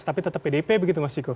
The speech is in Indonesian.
tapi tetap pdp begitu mas ciko